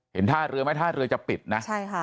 ท่าเรือไหมท่าเรือจะปิดนะใช่ค่ะ